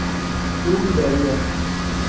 tu dudarías